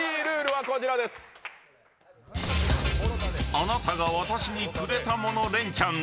あなたが私にくれたものレンチャン。